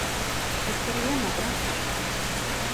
კეთილია, მაგრამ მშიშარა.